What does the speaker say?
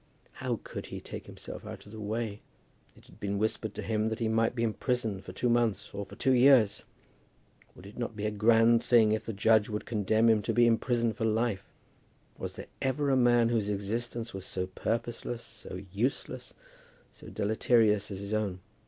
How could he take himself out of the way? It had been whispered to him that he might be imprisoned for two months, or for two years. Would it not be a grand thing if the judge would condemn him to be imprisoned for life? Was there ever a man whose existence was so purposeless, so useless, so deleterious, as his own?